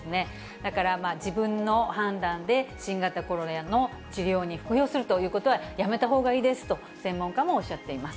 だから、自分の判断で新型コロナの治療に服用するということはやめたほうがいいですと、専門家もおっしゃっています。